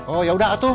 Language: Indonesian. oh yaudah atuh